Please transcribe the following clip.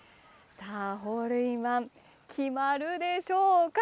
ホールインワン決まるでしょうか。